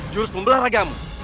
jurus membelah ragamu